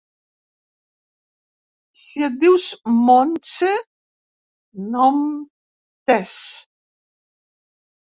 Si et dius Montse, "nom tes".